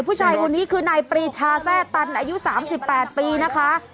ผู้ชายคนนี้คือนายปรีชาแทร่ตันอายุ๓๘ปีนะคะ